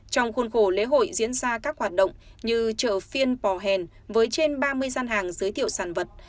trong khuôn khổ lễ hội diễn ra các hoạt động như chợ phiên pò hèn với trên ba mươi gian hàng giới thiệu sản vật